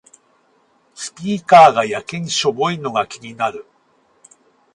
スピーカーがやけにしょぼいのが気になる